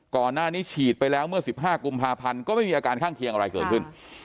ก่อนหน้านี้ฉีดไปแล้วเมื่อ๑๕กุมภาพันธ์ก็ไม่มีอาการข้างเคียงอะไรเกิดขึ้น